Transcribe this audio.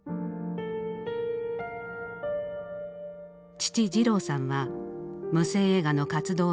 父次郎さんは無声映画の活動弁士。